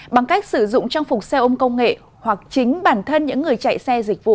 bằng cách sử dụng trang phục xe ôm công nghệ hoặc chính bản thân những người chạy xe dịch vụ